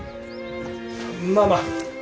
まあまあ。